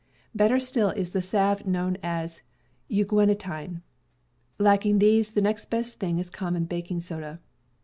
Better still is the salve known as unguentine. Lacking these, the next best thing is common baking soda.